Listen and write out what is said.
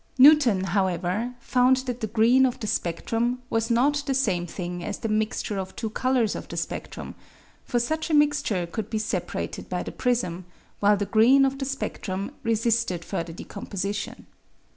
Newton, however, found that the green of the spectrum was not the same thing as the mixture of two colours of the spectrum, for such a mixture could be separated by the prism, while the green of the spectrum resisted further decomposition.